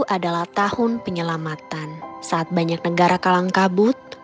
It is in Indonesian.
dua ribu dua puluh adalah tahun penyelamatan saat banyak negara kalang kabut